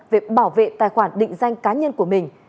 về bảo vệ tài khoản định danh cá nhân của mình